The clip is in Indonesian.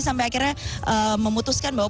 sampai akhirnya memutuskan bahwa